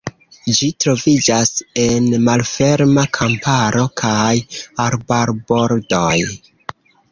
Ĝi troviĝas en malferma kamparo kaj arbarbordoj.